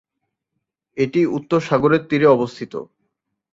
এটি উত্তর সাগরের তীরে অবস্থিত।